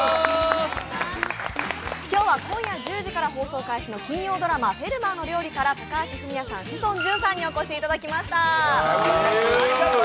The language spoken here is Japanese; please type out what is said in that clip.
今日は今夜１０時から放送開始の金曜ドラマ「フェルマーの料理」から高橋文哉さん、志尊淳さんにお越しいただきました。